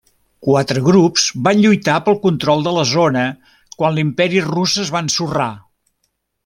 Quatre grups van lluitar pel control de la zona quan l'Imperi Rus es va ensorrar.